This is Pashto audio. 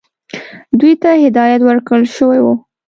دوی ته هدایت ورکړل شوی وو.